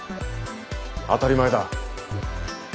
当たり前だ。